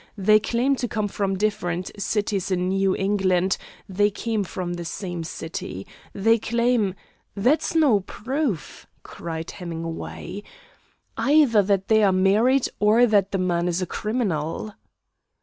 They claim to come from different cities in New England, they came from the same city. They claim " "That is no proof," cried Hemingway, "either that they are married, or that the man is a criminal."